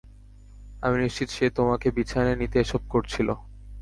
আমি নিশ্চিত সে তোমাকে বিছানায় নিতে এসব করছিল।